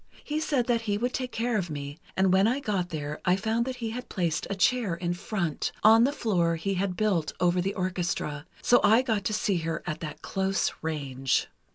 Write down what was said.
He said that he would take care of me, and when I got there I found that he had placed a chair in front, on the floor he had built over the orchestra, so I got to see her at that close range.